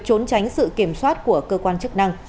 trốn tránh sự kiểm soát của cơ quan chức năng